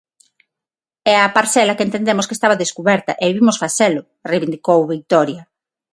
É a parcela que entendemos que estaba descuberta e vimos facelo, reivindicou Vitoria.